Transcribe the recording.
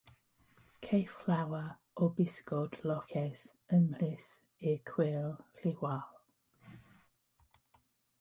Caiff llawer o bysgod loches ymhlith y cwrel lliwgar.